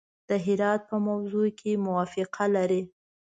د هرات په موضوع کې موافقه لري.